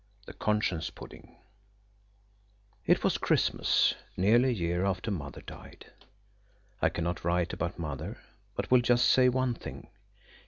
THE CONSCIENCE PUDDING IT was Christmas, nearly a year after Mother died. I cannot write about Mother–but I will just say one thing.